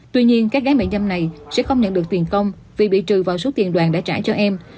tuy nhiên các gái mại dâm này sẽ không nhận được tiền công vì bị trừ vào số tiền đoàn đã trả cho em